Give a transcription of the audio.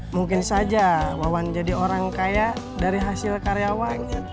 mungkin saja wawan jadi orang kaya dari hasil karyawan